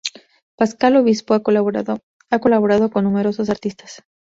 Pascal Obispo ha colaborado con numerosos artistas.